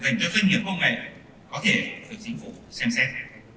dành cho doanh nghiệp công nghệ có thể được chính phủ xem xét